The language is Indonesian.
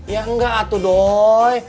ya tidak atuh doi